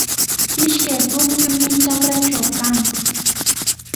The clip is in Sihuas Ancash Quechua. Ishkay pukyumi trakraatraw kan.